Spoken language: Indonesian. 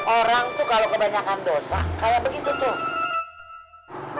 orang tuh kalau kebanyakan dosa kayak begitu tuh